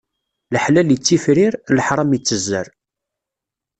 Leḥlal ittifrir, leḥṛam ittezzer.